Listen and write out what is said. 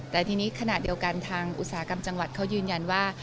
แต่ทีนี้ขณะเดียวกันทางอุตสาหกรรมจังหวัดเขายืนยันว่า